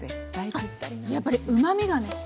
やっぱりうまみがね